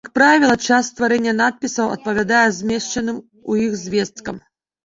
Як правіла, час стварэння надпісаў адпавядае змешчаным ў іх звесткам.